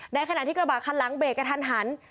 ในขณะที่กระบะคันหลังเบรกกระทันหัน